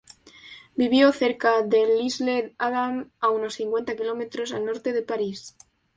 Vivió cerca de L'Isle-Adam a unos cincuenta kilómetros al norte de París.